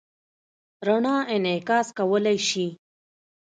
رڼا انعکاس کولی شي.